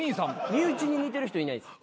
身内に似てる人いないです。